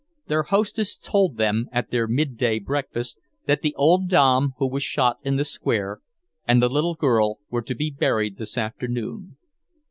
Their hostess told them, at their mid day breakfast, that the old dame who was shot in the square, and the little girl, were to be buried this afternoon.